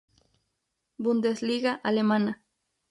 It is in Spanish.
Bundesliga alemana.